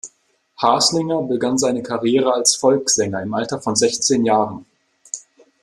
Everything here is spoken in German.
Haslinger begann seine Karriere als Volkssänger im Alter von sechzehn Jahren.